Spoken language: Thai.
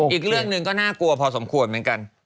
อีกเรื่องหนึ่งก็น่ากลัวพอสมควรเหมือนกัน